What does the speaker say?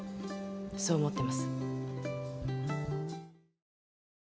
そう思ってます。